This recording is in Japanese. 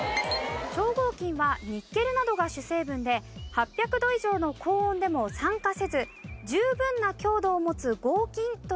超合金はニッケルなどが主成分で８００度以上の高温でも酸化せず十分な強度を持つ合金として記載されています。